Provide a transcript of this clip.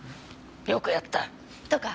「よくやった！」とか。